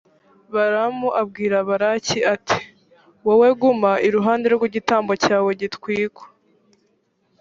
balamu abwira balaki, ati «wowe guma iruhande rw’igitambo cyawe gitwikwa.